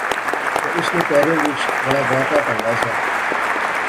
تہ اس نے پیریں وچ بڑا باٹا ٹہنگا سا